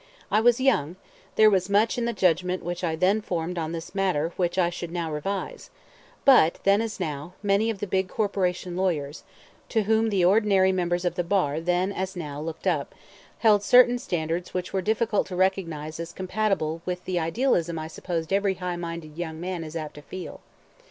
I was young; there was much in the judgment which I then formed on this matter which I should now revise; but, then as now, many of the big corporation lawyers, to whom the ordinary members of the bar then as now looked up, held certain standards which were difficult to recognize as compatible with the idealism I suppose every high minded young man is apt to feel.